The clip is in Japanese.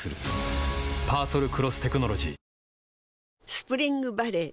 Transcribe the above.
スプリングバレー